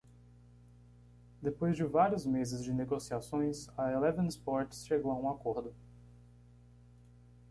Depois de vários meses de negociações, a Eleven Sports chegou a um acordo.